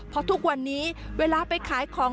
เพราะทุกวันนี้เวลาไปขายของ